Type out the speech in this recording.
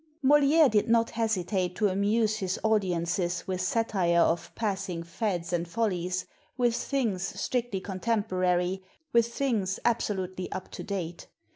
Moliere did not hesitate to amuse his audi ences with satire of passing fads and follies, with things strictly contemporary, with things abso lutely up to date.